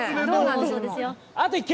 あと１球！